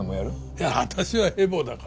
いや私はヘボだから。